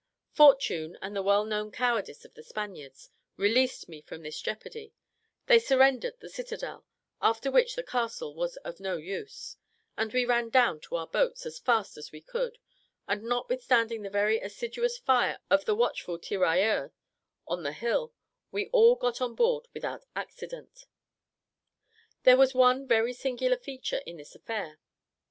Fortune, and the well known cowardice of the Spaniards, released me from this jeopardy; they surrendered the citadel, after which the castle was of no use, and we ran down to our boats as fast as we could; and notwithstanding the very assiduous fire of the watchful tirailleurs on the hill, we all got on board without accident. There was one very singular feature in this affair.